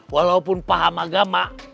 walaupun paham agama